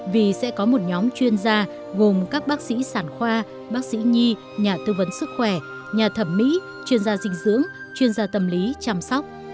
vì sẽ có một nhóm chuyên gia gồm các bác sĩ sản khoa bác sĩ nhi nhà tư vấn sức khỏe nhà thẩm mỹ chuyên gia dinh dưỡng chuyên gia tâm lý chăm sóc